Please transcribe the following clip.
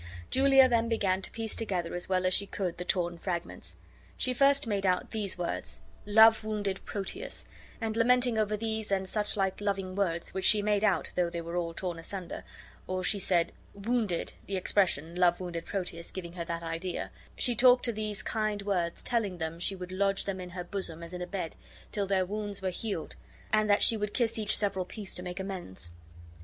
Julia then began to piece together as well as she could the torn fragments. She first made out these words, "Love wounded Proteus"; and lamenting over these and such like loving words, which she made out though they were all torn asunder, or, she said WOUNDED (the expression "Love wounded Proteus" giving her that idea), she talked to these kind words, telling them she would lodge them in her bosom as in a bed, till their wounds were healed, and that she would kiss each several piece to make amends.